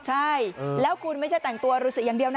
ใช่แล้วคุณไม่ใช่แต่งตัวฤษีอย่างเดียวนะ